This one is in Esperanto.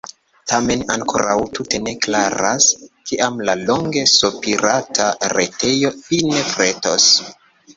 Tamen ankoraŭ tute ne klaras, kiam la longe sopirata retejo fine pretos.